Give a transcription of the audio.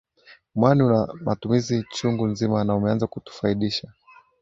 Mwani una matumizi chungu nzima na umeanza kutufaidisha